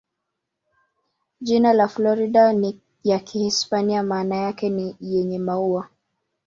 Jina la Florida ni ya Kihispania, maana yake ni "yenye maua".